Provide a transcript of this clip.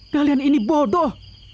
kalian ini bodoh